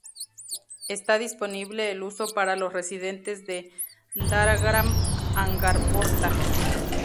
Está disponible el uso para los residentes de Dahagram-Angarpota.